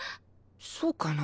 そうかな。